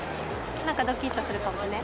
なんかどきっとするかもね。